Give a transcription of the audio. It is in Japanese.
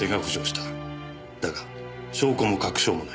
だが証拠も確証もない。